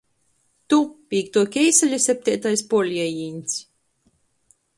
Tu – pīktuo keiseļa septeitais puorliejīņs.